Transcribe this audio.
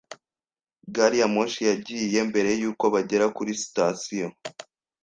Gari ya moshi yagiye mbere yuko bagera kuri sitasiyo.